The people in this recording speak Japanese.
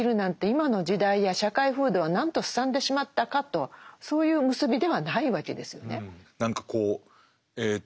今の時代や社会風土はなんとすさんでしまったかとそういう結びではないわけですよね。